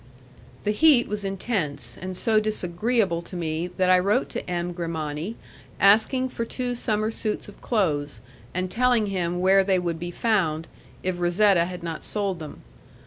The heat was intense, and so disagreeable to me that I wrote to M. Grimani, asking for two summer suits of clothes, and telling him where they would be found, if Razetta had not sold them.